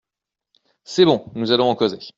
C'est bon, nous allons en causer.